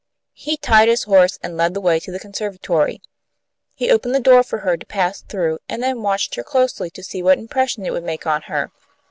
He tied his horse, and led the way to the conservatory. He opened the door for her to pass through, and then watched her closely to see what impression it would make on her.